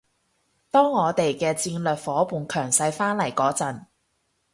當我哋嘅戰略夥伴強勢返嚟嗰陣